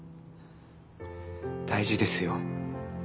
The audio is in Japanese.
大事ですよ